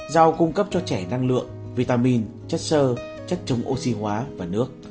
dao cung cấp cho trẻ năng lượng vitamin chất sơ chất chống oxy hóa và nước